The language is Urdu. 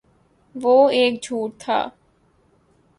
وہ ایک جھوٹ تھا